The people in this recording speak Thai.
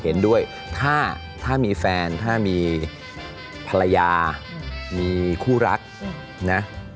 เห็นด้วยถ้ามีแฟนถ้ามีภรรยามีคู่รักนะ